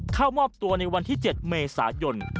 เข้ามอบตัวในวันที่๗เมษายน